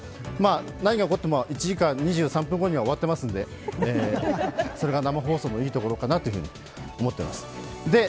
何が起こっても１時間２３分後には終わっていますのでそれが生放送のいいところかなと思っています。